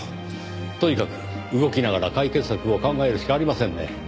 とにかく動きながら解決策を考えるしかありませんね。